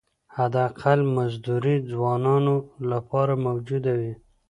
حداقل مزدوري ځوانانو لپاره موجوده وي.